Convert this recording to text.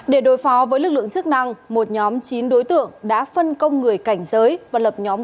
để đối phó với lực lượng chức năng một nhóm chín đối tượng đã phân công người cảnh giới và lập nhóm